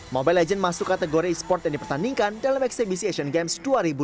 mobile legends masuk kategori e sport yang dipertandingkan dalam eksebisi asian games dua ribu delapan belas